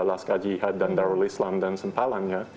laskar jihad dan darul islam dan sempalannya